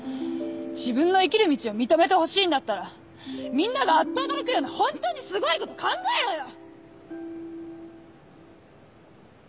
自分の生きる道を認めてほしいんだったらみんながあっと驚くようなホントにすごいこと考えろよ‼